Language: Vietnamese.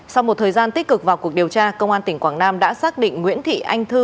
sau một thời gian tích cực vào cuộc điều tra công an tỉnh quảng nam đã xác định nguyễn thị anh thư